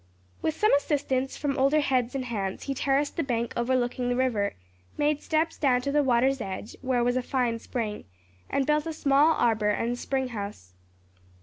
With some assistance from older heads and hands, he terraced the bank overlooking the river, made steps down to the water's edge, where was a fine spring, and built a small arbor and a spring house.